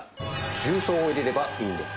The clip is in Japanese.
重曹を入れればいいんです。